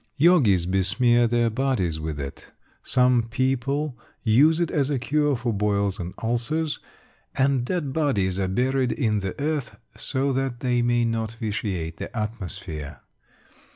Yogis besmear their bodies with it; some people use it as a cure for boils and ulcers; and dead bodies are buried in the earth so that they may not vitiate the atmosphere.